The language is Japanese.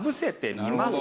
なるほど。